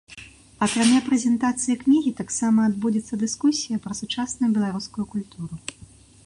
Акрамя прэзентацыі кнігі таксама адбудзецца дыскусія пра сучасную беларускую культуру.